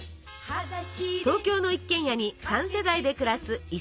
東京の一軒家に３世代で暮らす磯野家。